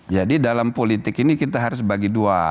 jadi dalam politik ini kita harus bagi dua